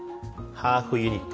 ハーフユニット。